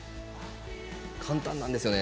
簡単なんですよね。